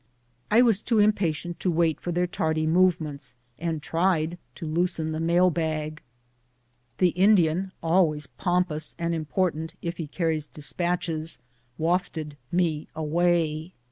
I was too impatient to wait their tardy movements, and tried to loosen the mail bag. The Indian, always pompous and important if he car ries despatches, wafted me away.